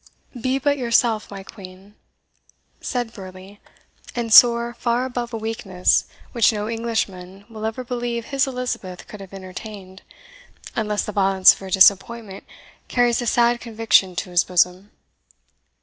"Be but yourself, my Queen," said Burleigh; "and soar far above a weakness which no Englishman will ever believe his Elizabeth could have entertained, unless the violence of her disappointment carries a sad conviction to his bosom."